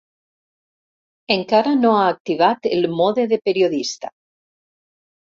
Encara no ha activat el mode de periodista.